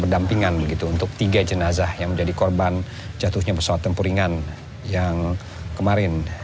dampingan begitu untuk tiga jenazah yang menjadi korban jatuhnya pesawat tempur ingan yang kemarin